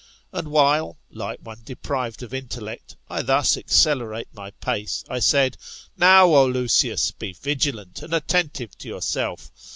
And while, like one deprived of intellect, I thus accelerate ray pace, I said, Now, O Lucius, be vigilant and attentive to yourself.